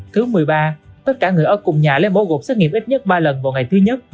thứ mười ba tất cả người ở cùng nhà lấy mẫu gột xét nghiệm ít nhất ba lần vào ngày thứ nhất